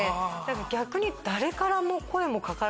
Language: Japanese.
逆に。